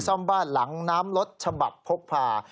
ซ่อมบ้านหลังน้ำรถฉบับพกพา